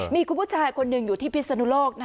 มีคุณผู้ชายคนหนึ่งอยู่ที่พิศนุโลก